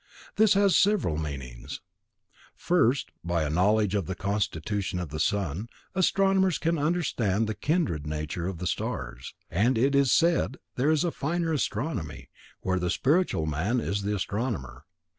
This has several meanings: First, by a knowledge of the constitution of the sun, astronomers can understand the kindred nature of the stars. And it is said that there is a finer astronomy, where the spiritual man is the astronomer.